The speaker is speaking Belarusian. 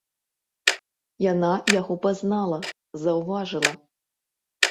Яна яго пазнала, заўважыла.